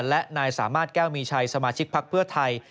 และนสแก้วมีชัยสภพฤษไทย